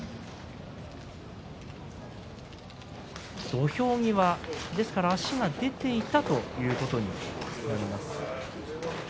土俵際、ですから足が出ていたということになります。